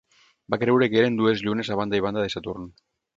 Va creure que eren dues llunes a banda i banda de Saturn.